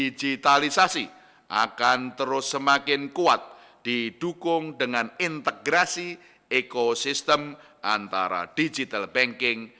digitalisasi akan terus semakin kuat didukung dengan integrasi ekosistem antara digital banking